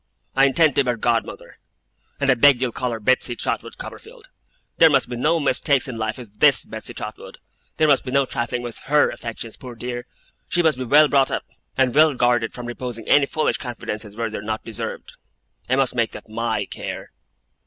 I intend to be her godmother, and I beg you'll call her Betsey Trotwood Copperfield. There must be no mistakes in life with THIS Betsey Trotwood. There must be no trifling with HER affections, poor dear. She must be well brought up, and well guarded from reposing any foolish confidences where they are not deserved. I must make that MY care.